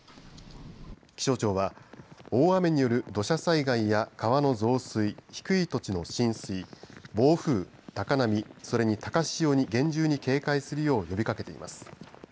気象庁は大雨による土砂災害や川の増水、低い土地の浸水暴風、高波それに高潮に厳重に警戒するよう呼びかけています。